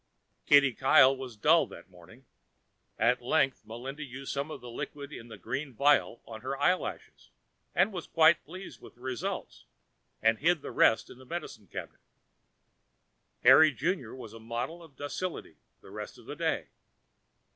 Kitty Kyle was dull that morning. At length Melinda used some of the liquid in the green vial on her eyelashes, was quite pleased at the results, and hid the rest in the medicine cabinet. Harry Junior was a model of docility the rest of that day.